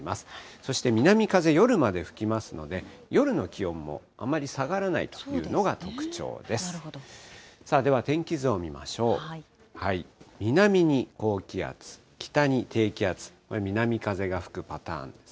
そして南風、夜まで吹きますので、夜の気温もあまり下がらないというのが特徴です。